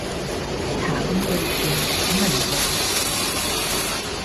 Tháng mười thương nhớ ngẩn ngơ